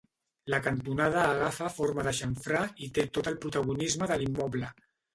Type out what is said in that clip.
La cantonada agafa forma de xamfrà i té tot el protagonisme de l'immoble.